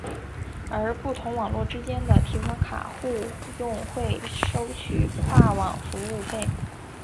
而不同网络之间的提款卡互用会收取跨网服务费。